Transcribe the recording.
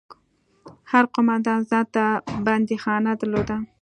هر قومندان ځان ته بنديخانه درلوده.